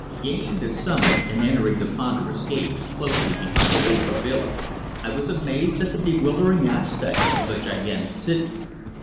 GAINING the summit and entering the ponderous gate closely behind old Babila, I was amazed at the bewildering aspect of the gigantic city.